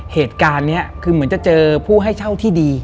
เหตุการณ์นี้คือเหมือนจะเจอผู้ให้เช่าที่ดี